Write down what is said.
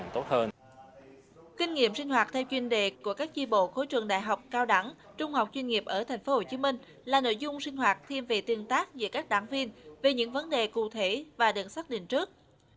theo chuyên đề của các tri bộ khối trường đại học cao đẳng trung học chuyên nghiệp ở tp hcm là nội dung sinh hoạt thêm về tương tác giữa các đảng viên về những vấn đề cụ thể và đường xác định trước